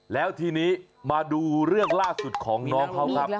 แล้วทีนี้มาดูเรื่องล่าสุดของน้องเขาครับ